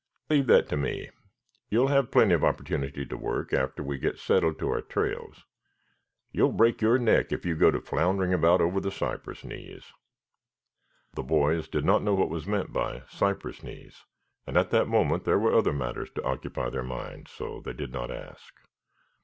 "Leave that to me. You will have plenty of opportunity to work after we get settled to our trails. You will break your neck if you go to floundering about over the cypress knees." The boys did not know what was meant by "cypress knees," and at that moment there were other matters to occupy their minds, so they did not ask.